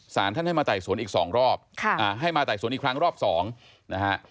สารท่านให้มาไต่สวนอีกสองรอบให้มาไต่สวนอีกครั้งรอบสองนะฮะ